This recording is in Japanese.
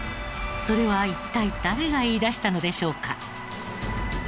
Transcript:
それは一体誰が言いだしたのでしょうか？